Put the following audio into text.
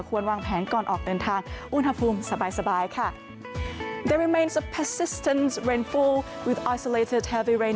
วางแผนก่อนออกเดินทางอุณหภูมิสบายค่ะ